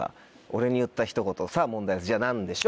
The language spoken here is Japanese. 俺に言ったひと言さぁ問題です